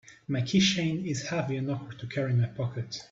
My keychain is heavy and awkward to carry in my pocket.